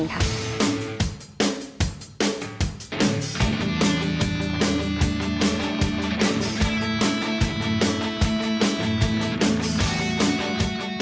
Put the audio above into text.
ขอให้เรามีความคิดที่ดี